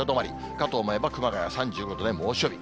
かと思えば熊谷３５度で猛暑日。